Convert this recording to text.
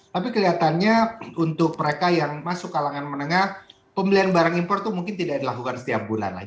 tapi kelihatannya untuk mereka yang masuk kalangan menengah pembelian barang impor itu mungkin tidak dilakukan setiap bulan lah